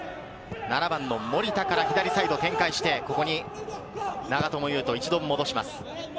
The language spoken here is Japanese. ７番の守田から左サイド展開して、ここに長友佑都、一度戻します。